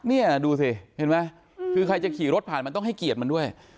นี่ดูสิเห็นไหมคือใครจะขี่รถผ่านมันต้องให้เกียรติมันด้วย